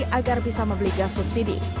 sehingga mereka bisa membeli gas subsidi